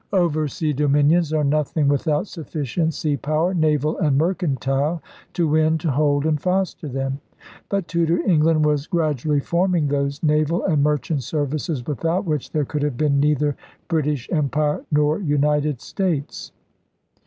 Oversea dominions are nothing without sufficient sea power, naval and mercantile, to win, to hold, and foster them. But Tudor England was grad ually forming those naval and merchant services without which there could have been neither British Empire nor United States.